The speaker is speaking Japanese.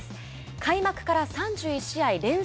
開幕から３１試合連続